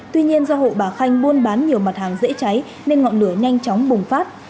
tuy nhiên do hộ bà khanh buôn bán nhiều mặt hàng dễ cháy nên ngọn lửa nhanh chóng bùng phát